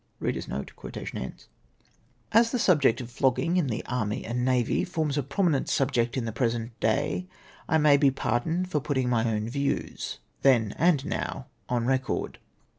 As tlie subject of flogging in the army and navy forms a prominent subject in the present day, I may be pardoned for putting my own views, then and now, on record.